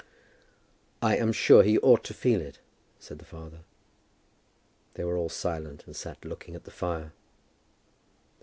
"I am sure he ought to feel it," said the father. They were all silent, and sat looking at the fire.